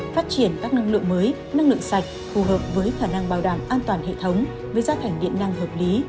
phát triển các năng lượng mới năng lượng sạch phù hợp với khả năng bảo đảm an toàn hệ thống với giá thành điện năng hợp lý